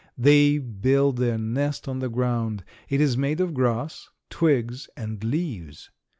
"They build their nest on the ground. It is made of grass, twigs and leaves.